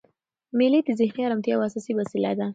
مېلې د ذهني ارامتیا یوه اساسي وسیله ده.